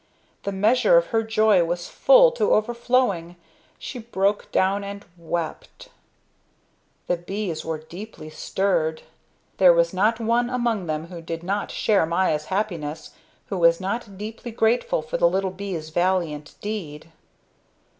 The measure of her joy was full to overflowing; she broke down and wept. The bees were deeply stirred. There was not one among them who did not share Maya's happiness, who was not deeply grateful for the little bee's valiant deed.